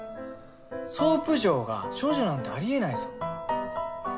ソープ嬢が処女なんてありえないぞ。